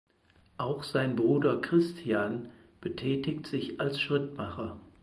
Auch sein Bruder Christian betätigt sich als Schrittmacher.